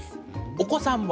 お子さんは？